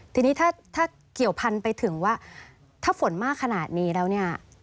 ทีนี้ถ้าเกี่ยวพันไปถึงว่าถ้าฝนมากขนาดนี้แล้วเนี่ย